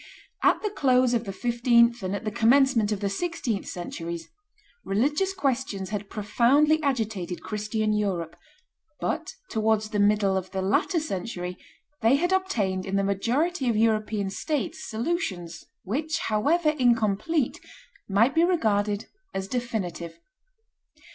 At the close of the fifteenth and at the commencement of the sixteenth centuries, religious questions had profoundly agitated Christian Europe; but towards the middle of the latter century they had obtained in the majority of European states solutions which, however incomplete, might be regarded as definitive.